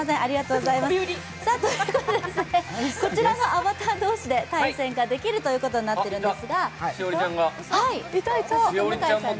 こちらのアバター同士で対戦ができることになっています。